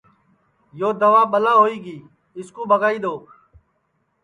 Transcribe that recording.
یو دوا ٻلا ہوئی گی اِس کُو ٻگائی دؔو